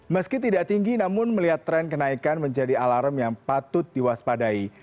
meski tidak tinggi namun melihat tren kenaikan menjadi alarm yang patut diwaspadai